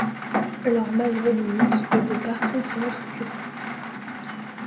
Leur masse volumique est de par centimètre cube.